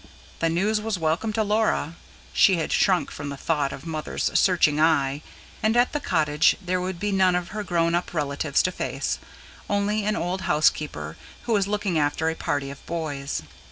The news was welcome to Laura: she had shrunk from the thought of Mother's searching eye. And at the cottage there would be none of her grown up relatives to face; only an old housekeeper, who was looking after a party of boys.